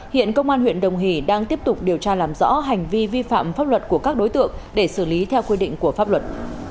hiện công an huyện đồng hỷ đang tiếp tục điều tra làm rõ hành vi vi phạm pháp luật của các đối tượng để xử lý theo quy định của pháp luật